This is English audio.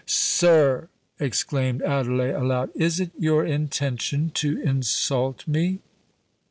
"Sir!" exclaimed Adelais, aloud: "is it your intention to insult me?"